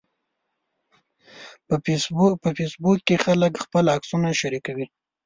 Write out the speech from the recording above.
په فېسبوک کې خلک خپل عکسونه شریکوي